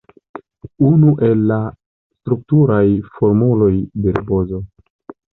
Unu el la strukturaj formuloj de ribozo.